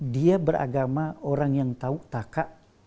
dia beragama orang yang tahu taka